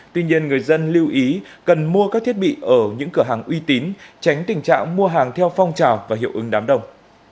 tuy nhiên người dân lưu ý cần mua các thiết bị ở những cửa hàng uy tín tránh tình trạng mua hàng theo phong trào và hiệu ứng đám đồng